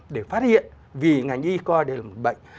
để phát hiện vì ngành y coi đây là một bệnh